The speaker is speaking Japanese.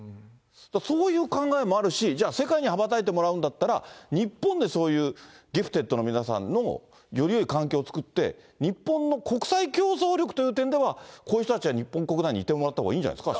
そういう考えもあるし、じゃあ、世界に羽ばたいてもらうんだったら、日本でそういうギフテッドの皆さんのよりよい環境を作って、日本の国際競争力っていう点では、こういう人たちが日本国内にいてもらったほうがいいんじゃないですか。